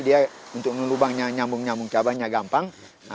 dia untuk lubangnya nyambung nyambung cabangnya gampang